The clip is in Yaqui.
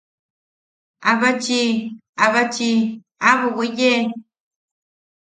¡Abachi, abachi aʼabo weye!